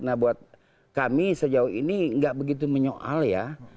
nah buat kami sejauh ini nggak begitu menyoal ya